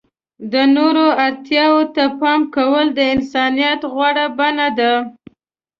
د نورو اړتیاوو ته پام کول د انسانیت غوره بڼه ده.